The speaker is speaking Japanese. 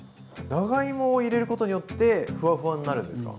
長芋を入れることによってふわふわになるんですか？